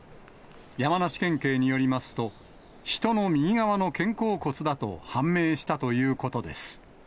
山梨県警によりますと、人の右側の肩甲骨だと判明したということです。